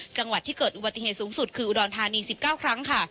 จังหวัดที่เกิดอุบัติเหตุสูงสุดคืออุดรธานี๑๙ครั้งค่ะ